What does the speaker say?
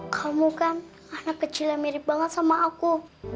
kamu kan anak kecil yang mirip banget sama aku